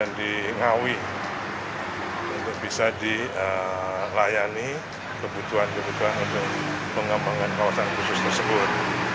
yang di ngawi untuk bisa dilayani kebutuhan kebutuhan untuk pengembangan kawasan khusus tersebut